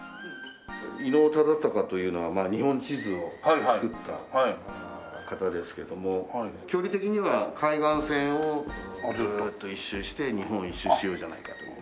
伊能忠敬というのは日本地図を作った方ですけども距離的には海岸線をぐるっと一周して日本一周しようじゃないかという。